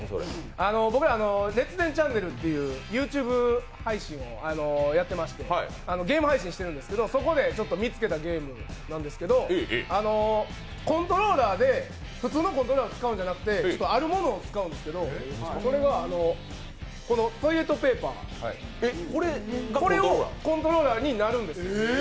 僕ら、「列伝チャンネル」というＹｏｕＴｕｂｅ配信をやっていまして、ゲーム配信してるんですけどそこで見つけたゲームなんですけど普通のコントローラーを使うんじゃなくて、あるものを使うんですけど、それがこのトイレットペーパー、これがコントローラーになるんですよ。